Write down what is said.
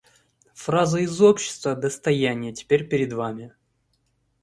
Фраза из общественного достояния теперь перед Вами!